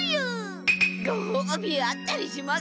ごほうびあったりします？